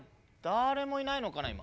誰もいないのかな今。